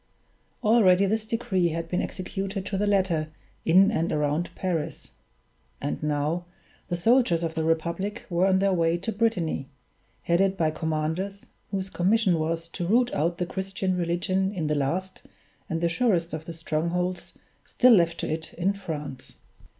Already this decree had been executed to the letter in and around Paris; and now the soldiers of the Republic were on their way to Brittany, headed by commanders whose commission was to root out the Christian religion in the last and the surest of the strongholds still left to it in France.